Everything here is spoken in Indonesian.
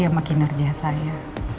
sama kinerja saya